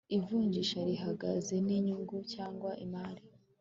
ivunjisha rihagaze n inyungu cyangwa imari